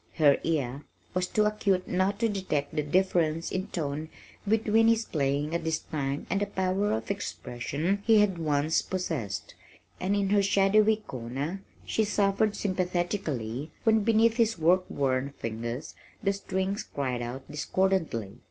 Her ear was too acute not to detect the difference in tone between his playing at this time and the power of expression he had once possessed, and in her shadowy corner she suffered sympathetically when beneath his work worn fingers the strings cried out discordantly.